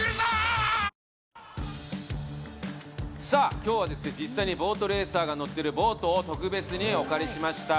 今日は実際にボートレーサーが乗っているボートを特別にお借りしました。